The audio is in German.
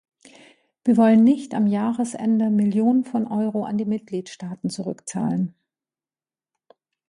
Wir wollen nicht am Jahresende Millionen von Euro an die Mitgliedstaaten zurückzahlen.